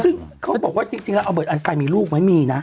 ซึ่งเขาบอกว่าจริงแล้วเอาเบิร์อันไซด์มีลูกไหมมีนะ